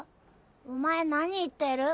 お前何言ってる？